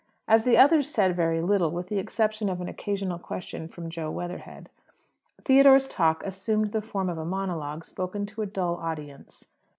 As the others said very little with the exception of an occasional question from Jo Weatherhead Theodore's talk assumed the form of a monologue spoken to a dull audience.